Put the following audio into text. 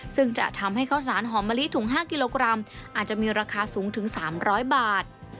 ซึ่งจะทำให้ข้าวสารหอมมะลิถุง๕กิโลกรัมอาจจะมีราคาสูงถึง๓๐๐บาท